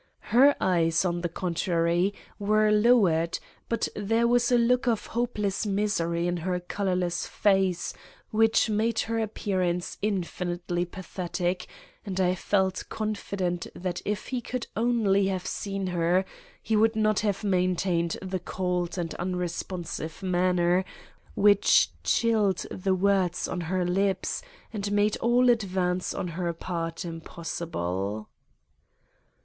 Her eyes, on the contrary, were lowered, but there was a look of hopeless misery in her colorless face which made her appearance infinitely pathetic, and I felt confident that if he could only have seen her, he would not have maintained the cold and unresponsive manner which chilled the words on her lips and made all advance on her part impossible.